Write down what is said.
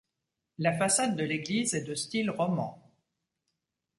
La façade de l’église est de style roman.